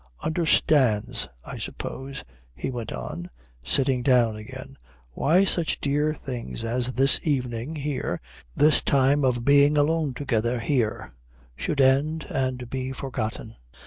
" understands, I suppose," he went on, sitting down again, "why such dear things as this evening here, this time of being alone together here, should end and be forgotten."